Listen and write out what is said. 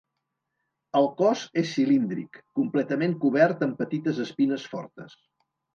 El cos és cilíndric, completament cobert amb petites espines fortes.